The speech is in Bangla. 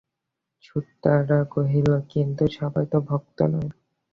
সুচরতা কহিল, কিন্তু সবাই তো ভক্ত নয়।